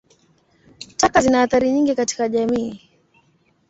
Taka zina athari nyingi katika jamii.